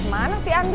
mana sih andi